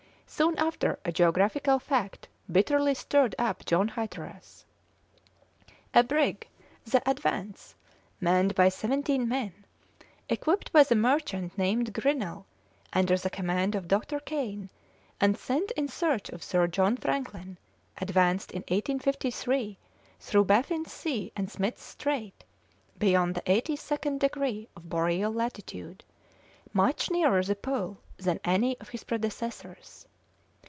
Soon after a geographical fact bitterly stirred up John Hatteras. A brig, the Advance, manned by seventeen men, equipped by a merchant named Grinnell, under the command of Dr. Kane, and sent in search of Sir John Franklin, advanced in 1853 through Baffin's Sea and Smith's Strait, beyond the eighty second degree of boreal latitude, much nearer the Pole than any of his predecessors.